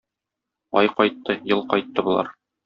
Ай кайтты, ел кайтты болар.